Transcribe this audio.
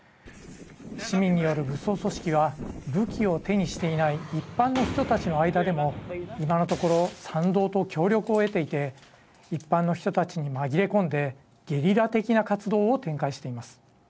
市民による武装組織は武器を手にしていない一般の人たちの間にも今のところ賛同と協力を得ていて一般の人たちに紛れ込んでゲリラ的な活動を展開しています。